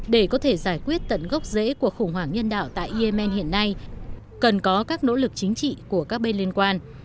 để có thể giải quyết tận gốc rễ của khủng hoảng nhân đạo tại yemen hiện nay cần có các nỗ lực chính trị của các bên liên quan